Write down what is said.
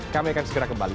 kami akan segera kembali